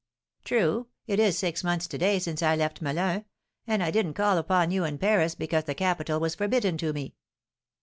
"True. It is six months to day since I left Melun; and I didn't call upon you in Paris because the capital was forbidden to me."